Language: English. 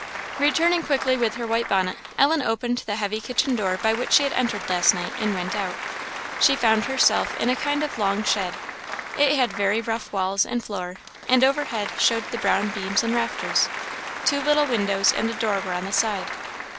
Returning quickly with her white bonnet, Ellen opened the heavy kitchen door by which she had entered last night, and went out. She found herself in a kind of long shed. It had very rough walls and floor, and overhead showed the brown beams and rafters; two little windows and a door were on the side.